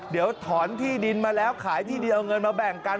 เดี๋ยวถอนที่ดินมาแล้วขายที่เดียวเอาเงินมาแบ่งกัน